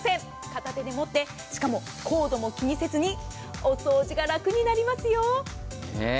片手で持ってしかもコードも気にせずにお掃除が楽になりますよ。